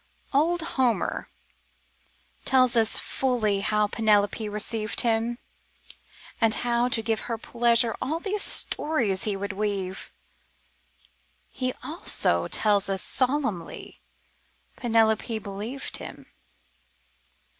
Old Homer tells us fully how Penelope received him, And how, to give her pleasure, all these stories he would weave: He also tells us solemnly Penelope believed him!